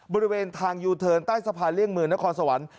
บริเวณทางยูเทิร์นใต้สะพานเลี่ยงเมืองนครสวรรค์